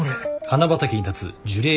花畑に立つ樹齢